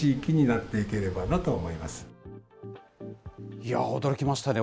いやー、驚きましたね。